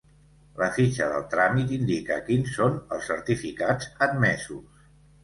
La fitxa del tràmit indica quins són els certificats admesos.